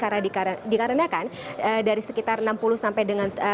karena dikarenakan dari sekitar enam puluh sampai dengan